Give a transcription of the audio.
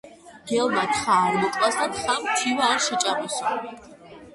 მგელმა თხა არ მოკლას და თხამ თივა არ შეჭამოსო.